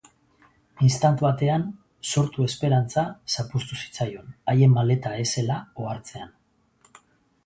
Istant batean sortu esperantza zapuztu zitzaion haien maleta ez zela ohartzean.